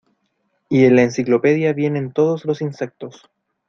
y en la enciclopedia vienen todos los insectos.